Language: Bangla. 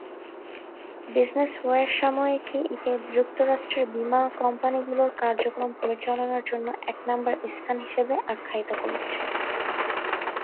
বিজনেস ওয়্যার সাময়িকী একে যুক্তরাষ্ট্রের বিমা কোম্পানিগুলোর কার্যক্রম পরিচালনার জন্য এক নাম্বার স্থান হিসেবে আখ্যায়িত করেছে।